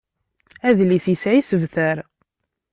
Adlis yesɛa isebtar.